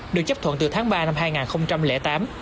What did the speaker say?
được chấp thuận từ tháng ba năm hai nghìn tám